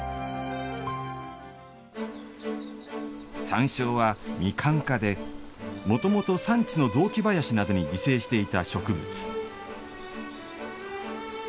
山椒は、ミカン科でもともと山地の雑木林などに自生していた植物。